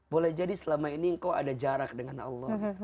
boleh jadi selama ini engkau ada jarak dengan allah